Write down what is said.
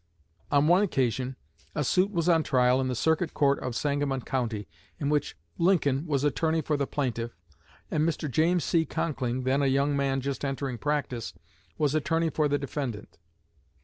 On one occasion, a suit was on trial in the Circuit Court of Sangamon County, in which Lincoln was attorney for the plaintiff, and Mr. James C. Conkling, then a young man just entering practice, was attorney for the defendant.